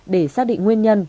để xác định nguyên nhân